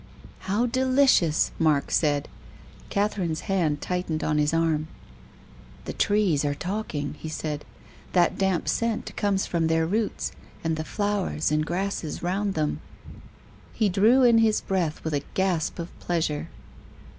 " How delicious !" Mark said. Catherine's hand tightened on his arm. " The trees are talking," he said. " That damp scent comes from their roots, and the flowers and grasses round them." He drew in his breath with a gasp of pleasure.